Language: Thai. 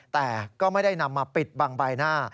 แต่ก็ไม่ได้นำมาปิดบังใบหน้า